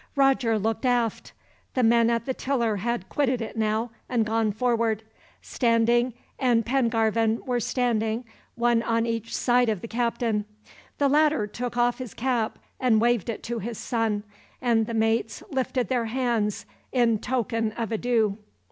Roger looked aft. The men at the tiller had quitted it now, and gone forward. Standing and Pengarvan were standing, one on each side of the captain. The latter took off his cap and waved it to his son, and the mates lifted their hands in token of adieu.